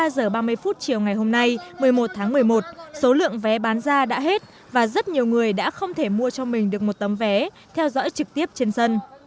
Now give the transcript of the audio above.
một mươi giờ ba mươi phút chiều ngày hôm nay một mươi một tháng một mươi một số lượng vé bán ra đã hết và rất nhiều người đã không thể mua cho mình được một tấm vé theo dõi trực tiếp trên sân